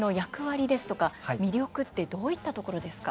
魅力ってどういったところですか？